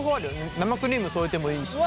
生クリーム添えてもいいしね。